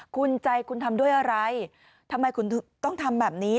คุณใจคุณทำด้วยอะไรทำไมคุณต้องทำแบบนี้